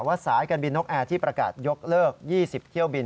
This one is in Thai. สายการบินนกแอร์ที่ประกาศยกเลิก๒๐เที่ยวบิน